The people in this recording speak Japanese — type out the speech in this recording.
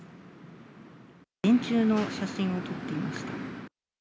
電柱の写真を撮っていました。